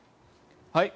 はい。